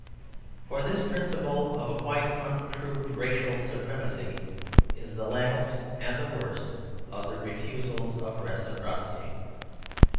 For this principle of a quite unproved racial supremacy is the last and worst of the refusals of reciprocity.